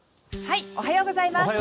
おはようございます。